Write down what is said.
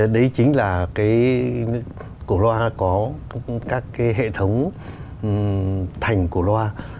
đấy chính là cái cổ loa có các cái hệ thống thành cổ loa